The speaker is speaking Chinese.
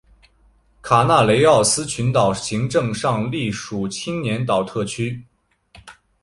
卡纳雷奥斯群岛行政上隶属青年岛特区。